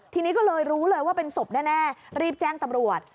ทีนี้ก็เลยรู้เลยว่าเป็นศพแน่รีบแจ้งตำรวจ